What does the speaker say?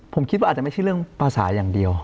ผมคิดว่าอาจจะไม่ใช่เรื่องภาษาอย่างเดียว